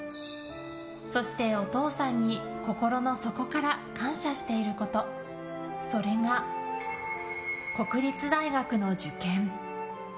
そして、お父さんに心の底から感謝していることそれが、国立大学の受験。